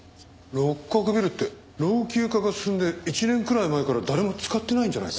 六角ビルって老朽化が進んで１年くらい前から誰も使ってないんじゃないか？